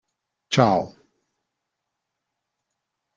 Ciao!